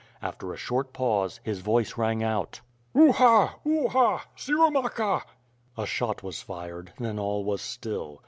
After a short pause, his voice rang out: "Uha! Uha! Siromacha!" A shot was fired, then all was still.